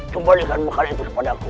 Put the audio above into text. kembalikan makanan itu kepada aku